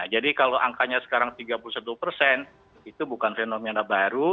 jadi kalau angkanya sekarang tiga puluh satu persen itu bukan fenomena baru